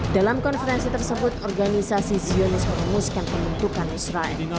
dalam konferensi tersebut organisasi zionis merumuskan pembentukan israel